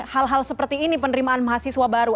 hal hal seperti ini penerimaan mahasiswa baru